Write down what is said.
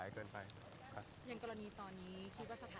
อย่างกรณีตอนนี้คิดว่าสถานาการจะยืดเยอะ